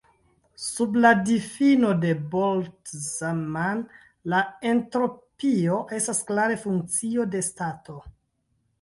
Sub la difino de Boltzmann, la entropio estas klare funkcio de stato.